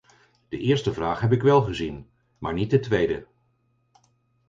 De eerste vraag heb ik wel gezien, maar niet de tweede.